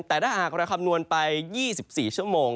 แต่ถ้าหากเราคำนวณไป๒๔ชั่วโมง